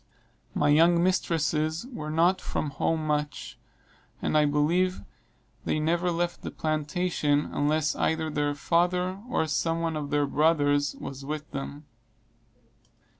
My young mistresses were not from home much, and I believe they never left the plantation unless either their father or some one of their brothers was with them.